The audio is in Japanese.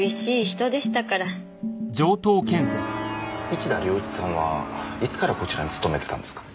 市田亮一さんはいつからこちらに勤めてたんですか？